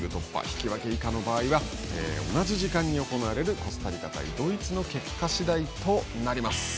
引き分け以下の場合は同じ時間に行われるコスタリカ対ドイツの結果次第となります。